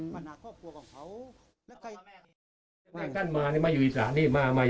มาอยว่าไง